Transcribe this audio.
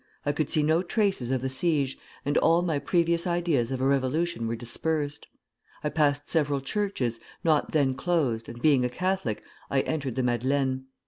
I could see no traces of the siege, and all my previous ideas of a revolution were dispersed. I passed several churches, not then closed, and being a Catholic, I entered the Madeleine.